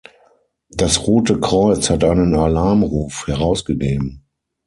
Das Rote Kreuz hat einen Alarmruf herausgegeben.